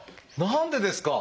何でですか？